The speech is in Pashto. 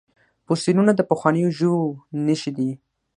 فوسیلیونه د پخوانیو ژویو نښې دي